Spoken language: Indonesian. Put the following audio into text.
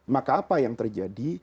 maka apa yang terjadi